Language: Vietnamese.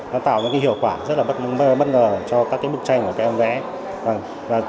nó tạo ra cái hiệu quả rất là bất ngờ cho các bức tranh của các em vẽ